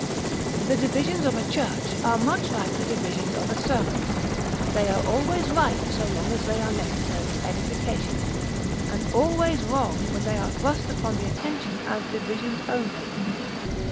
The divisions of a church are much like the divisions of a sermon; they are always right so long as they are necessary to edification, and always wrong when they are thrust upon the attention as divisions only.